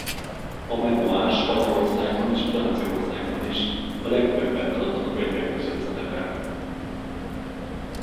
A memoár Spanyolországban és Franciaországban is a legtöbbet eladott könyvek között szerepelt.